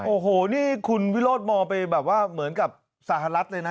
โอ้โหนี่คุณวิโรธมองไปแบบว่าเหมือนกับสหรัฐเลยนะ